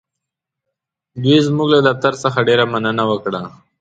دوی زموږ له دفتر څخه ډېره مننه وکړه.